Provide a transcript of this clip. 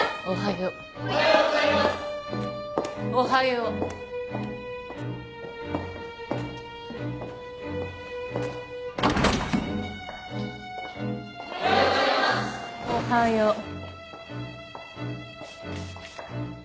おはよう